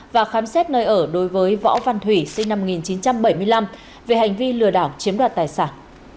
và khám xét nơi ở đối với võ văn thủy sinh năm một nghìn chín trăm bảy mươi năm về hành vi lừa đảo chiếm đoạt tài sản